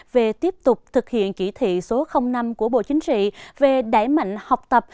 về tiếp tục thực hiện kỷ thị số năm của bộ chính trị về đáy mạnh học tập